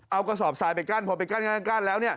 เอากระสอบทรายไปกั้นพอไปกั้นแล้ว